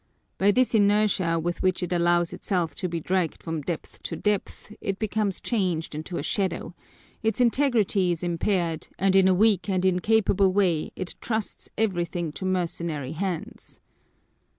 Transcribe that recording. By this inertia with which it allows itself to be dragged from depth to depth, it becomes changed into a shadow, its integrity is impaired, and in a weak and incapable way it trusts everything to mercenary hands.